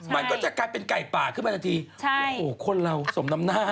มันก็จะกลายเป็นไก่ป่าขึ้นมาทันทีโอ้โหคนเราสมน้ำหน้า